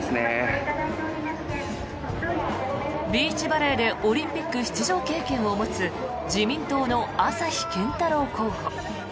ビーチバレーでオリンピック出場経験を持つ自民党の朝日健太郎候補。